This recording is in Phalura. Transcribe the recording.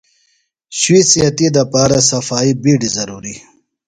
شُوئی صحتی دپارہ صفائی بِیڈیۡ ضروریۡ۔